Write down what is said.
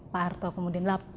pak arto kemudian